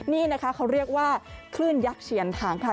นี่นะคะเขาเรียกว่าคลื่นยักษ์เฉียนถังค่ะ